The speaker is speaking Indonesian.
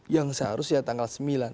yang seharusnya tanggal sembilan